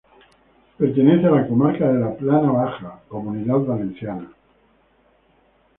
Pertenece a la comarca de la Plana Baja, Comunidad Valenciana.